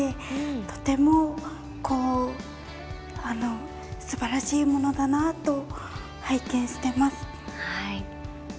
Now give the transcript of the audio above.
とても、すばらしいものだなと拝見しています。